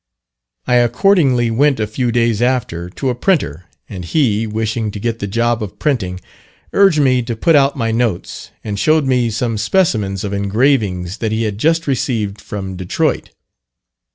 I accordingly went a few days after to a printer, and he, wishing to get the job of printing, urged me to put out my notes, and showed me some specimens of engravings that he had just received from Detroit.